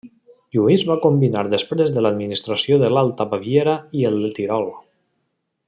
Lluís va combinar després de l'administració de l'Alta Baviera i el Tirol.